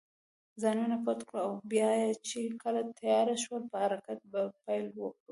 ځانونه پټ کړو او بیا چې کله تېاره شول، په حرکت به پیل وکړو.